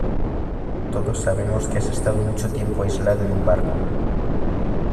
todos sabemos que has estado mucho tiempo aislado en un barco.